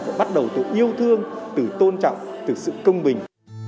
và bắt đầu từ yêu thương từ tôn trọng từ sự công bình